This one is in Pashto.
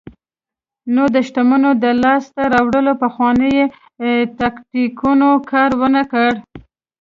نو د شتمنیو د لاسته راوړلو پخوانیو تاکتیکونو کار ورنکړ.